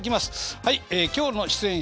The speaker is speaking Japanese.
はい今日の出演者は